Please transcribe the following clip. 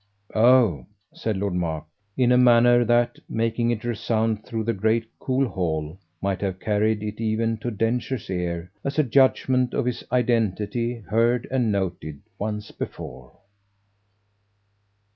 "Oh!" said Lord Mark in a manner that, making it resound through the great cool hall, might have carried it even to Densher's ear as a judgement of his identity heard and noted once before.